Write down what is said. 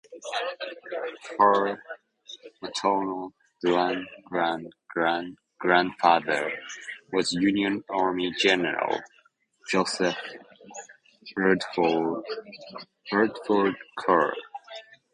Her maternal great-great-great-grandfather was Union Army General Joseph Bradford Carr.